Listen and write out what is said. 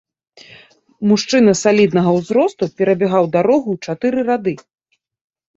Мужчына саліднага ўзросту перабягаў дарогу ў чатыры рады.